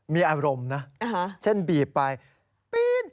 มีอารมณ์นะเช่นบีบไปปีน